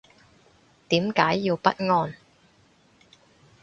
點解要不安